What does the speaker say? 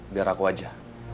biar aku aja